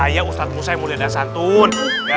saya ustad musa yang mulia dasantun